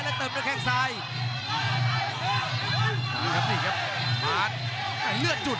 โอ้โหโอ้โหโอ้โหโอ้โหโอ้โห